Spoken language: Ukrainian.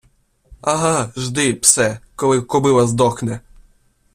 ага жди, псе, коли кобила здохне